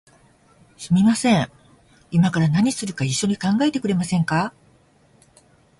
すみません、いまから何するか一緒に考えてくれませんか？